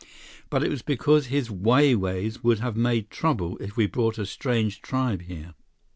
But it was because his Wai Wais would have made trouble if we brought a strange tribe here."